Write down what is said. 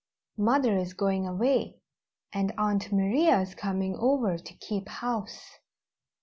Mother is going away, and Aunt Maria's coming over to keep house.